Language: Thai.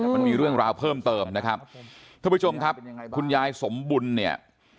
มันมีเรื่องราวเพิ่มเติมนะครับท่านผู้ชมครับคุณยายสมบุญเนี่ย